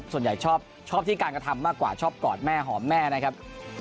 ส่วนใหญ่ชอบที่การกระทำมากกว่าชอบกอดแม่หอมแม่นะครับ